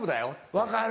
分かる。